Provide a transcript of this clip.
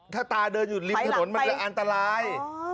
ถ้าตาเดินอยู่ริมถนนมันอันตราย